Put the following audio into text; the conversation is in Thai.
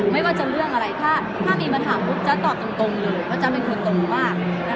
ไม่ว่าจะเรื่องอะไรถ้ามีปัญหาจะตอบตรงหรือจะเป็นคนตรงมาก